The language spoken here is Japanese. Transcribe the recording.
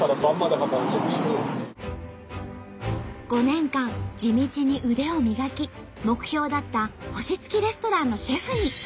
５年間地道に腕を磨き目標だった星付きレストランのシェフに。